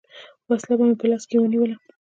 وسله چې به مې په لاس کښې ونېوله.